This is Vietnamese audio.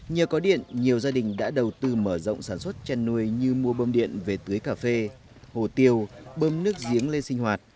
nhờ có điện nhiều gia đình đã đầu tư mở rộng sản xuất chăn nuôi như mua bơm điện về tưới cà phê hồ tiêu bơm nước giếng lên sinh hoạt